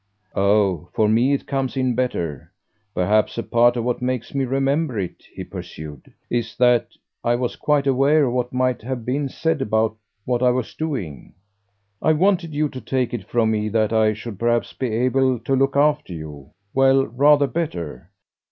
"Oh for me it comes in better. Perhaps a part of what makes me remember it," he pursued, "is that I was quite aware of what might have been said about what I was doing. I wanted you to take it from me that I should perhaps be able to look after you well, rather better.